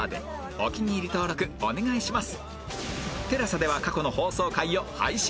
お気に入り登録お願いします